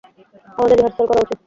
আমাদের রিহার্সাল করা উচিৎ।